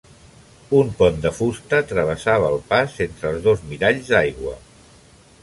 Un pont de fusta travessava el pas entre els dos miralls d'aigua.